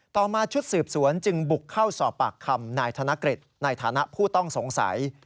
ต่อมาชุดสืบสวนจึงบุกเข้าสอบปากคำนายธนกฤษในฐานะผู้ต้องสงสัย